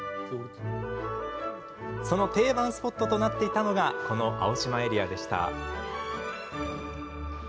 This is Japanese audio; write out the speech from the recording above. その定番スポットとなっていたのがこの青島エリアでした。